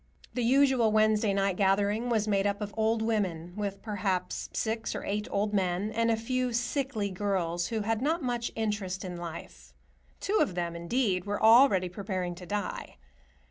The usual Wednesday night gathering was made up of old women, with perhaps six or eight old men, and a few sickly girls who had not much interest in life; two of them, indeed, were already preparing to die.